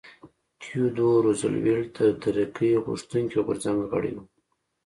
تیودور روزولټ د ترقي غوښتونکي غورځنګ غړی و.